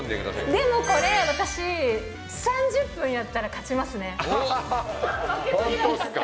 でもこれ私、３０分やったら、本当っすか。